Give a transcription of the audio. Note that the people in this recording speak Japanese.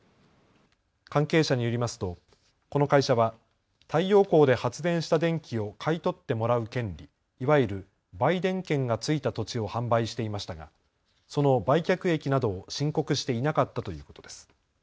関係者によりますとこの会社は太陽光で発電した電気を買い取ってもらう権利、いわゆる売電権が付いた土地を販売していましたがその売却益などを申告していなかったということです。